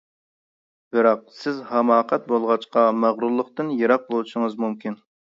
بىراق، سىز ھاماقەت بولغاچقا مەغرۇرلۇقتىن يىراق بولۇشىڭىزمۇ مۇمكىن.